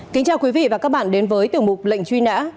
kính chào quý vị và các bạn đến với tiểu mục lệnh truy nã